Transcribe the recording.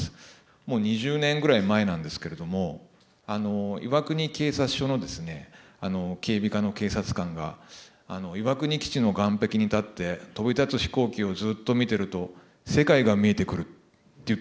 もう２０年ぐらい前なんですけれども岩国警察署の警備課の警察官が岩国基地の岸壁に立って飛び立つ飛行機をずっと見てると世界が見えてくるって言ったんですね。